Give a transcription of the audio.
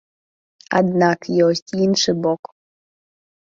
Аднак ёсць іншы бок.